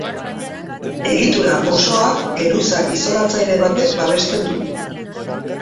Egitura osoa geruza isolatzaile batek babesten du.